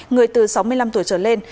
người từ sáu mươi năm tuổi trở lên